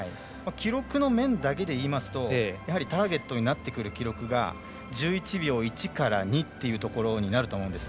記録の面だけで言いますとターゲットになってくる記録が１１秒１から２っていうところになると思うんです。